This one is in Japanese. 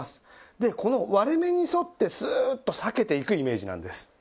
でこの割れ目に沿ってスーッと裂けていくイメージなんです。